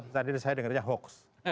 tadi saya dengarnya hoax